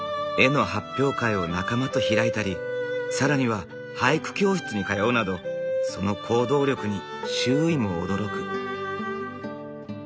絵の発表会を仲間と開いたり更には俳句教室に通うなどその行動力に周囲も驚く。